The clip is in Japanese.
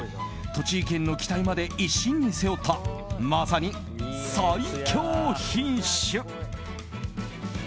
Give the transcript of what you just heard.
栃木県の期待まで一身に背負ったまさに、最強品種。